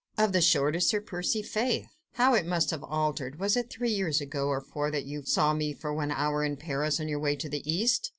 "Of the shortest, Sir Percy? Faith! how it must have altered! Was it three years ago or four that you saw me for one hour in Paris, on your way to the East?